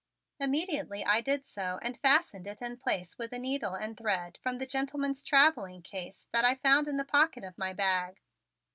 Immediately I did so and fastened it in place with a needle and thread from the gentleman's traveling case that I found in the pocket of my bag.